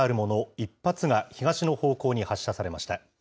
１発が、東の方向に発射されました。